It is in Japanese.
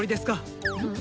うん？